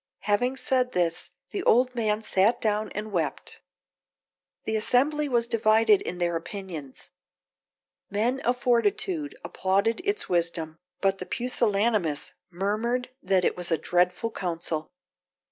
Having said this, the old man sat down and wept. The assembly was divided in their opinions. Men of fortitude applauded its wisdom, but the pusillanimous murmured that it was a dreadful counsel.